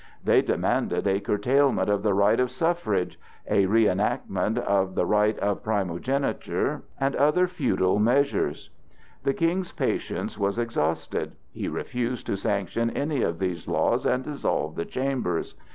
They demanded a curtailment of the right of suffrage, a reënactment of the right of primogeniture and other feudal measures. The King's patience was exhausted; he refused to sanction any of these laws and dissolved the Chambers.